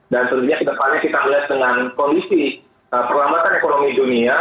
dan tentunya kedepannya kita melihat dengan kondisi perlambatan ekonomi dunia